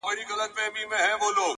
الوتني کوي”